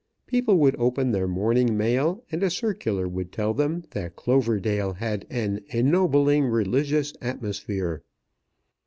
People would open their morning mail, and a circular would tell them that Cloverdale had an ennobling religious atmosphere.